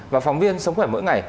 và phóng viên sống khỏe mỗi ngày